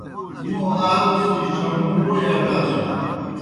موں آ اُڅِھجیْ ڇھہُوں ووئی اٹاسُن۔